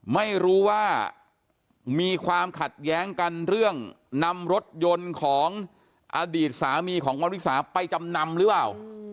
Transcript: ไม่รู้ว่ามีความขัดแย้งกันเรื่องนำรถยนต์ของอดีตสามีของวันวิสาไปจำนำหรือเปล่า